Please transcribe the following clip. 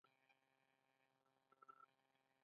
ایا زه باید ګرمه ډوډۍ وخورم؟